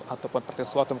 ataupun pertemuan korupsi